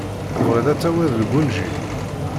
Tebɣiḍ ad tawiḍ lgunji?